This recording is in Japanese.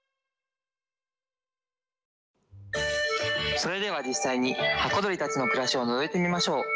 それでは実際に箱鳥たちの暮らしをのぞいてみましょう。